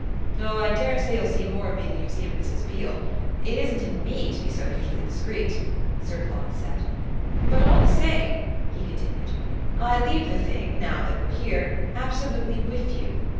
"Oh I dare say you'll see more of me than you've seen of Mrs. Beale. It isn't in ME to be so beautifully discreet," Sir Claude said. "But all the same," he continued, "I leave the thing, now that we're here, absolutely WITH you.